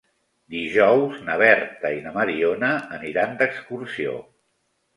Dijous na Berta i na Mariona aniran d'excursió.